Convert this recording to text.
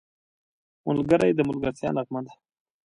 ملګری د ملګرتیا نغمه ده